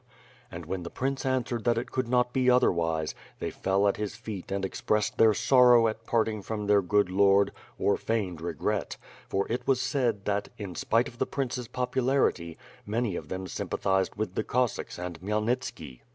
And when the prince answered that it could not be otherwise, they fell at his feet and expressed their sorrow at parting from their good lord, or feigned regret; for it was said that, in spite of the prince's popularity, many of them sympathized with the Cossacks and Khmyelnitski.